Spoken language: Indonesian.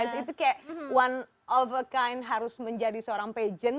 itu seperti satu jenis yang harus menjadi seorang pejen